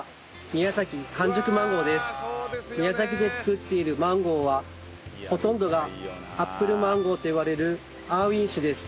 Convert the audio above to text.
宮崎で作っているマンゴーはほとんどがアップルマンゴーといわれるアーウィン種です。